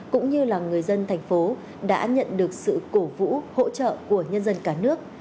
cũng như là người dân thành phố đã nhận được sự cổ vũ hỗ trợ của nhân dân cả nước